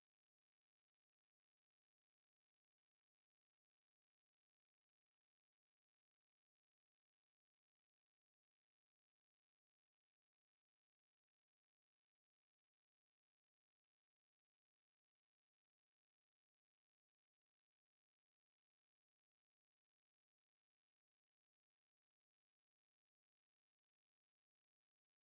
โปรดติดตามตอนต่อไป